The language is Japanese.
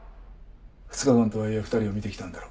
２日間とはいえ２人を見てきたんだろ。